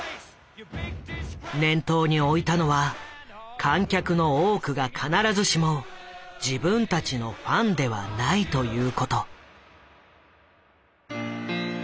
念頭に置いたのは「観客の多くが必ずしも自分たちのファンではない」ということ。